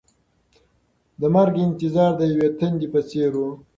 د مرګ انتظار د یوې تندې په څېر و.